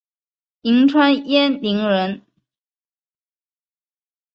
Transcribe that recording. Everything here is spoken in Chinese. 颍川鄢陵人。